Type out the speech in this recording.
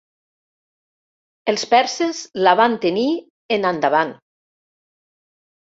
Els perses la van tenir en endavant.